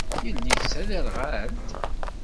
Yelli-k d taderɣalt?